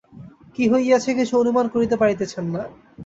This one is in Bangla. কী হইয়াছে কিছু অনুমান করিতে পারিতেছেন না।